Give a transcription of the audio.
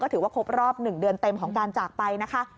ถือว่าครบรอบ๑เดือนเต็มของการจากไปนะคะ